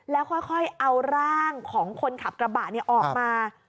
แล้วค่อยเอาร่างของคนขับกระบะออกมา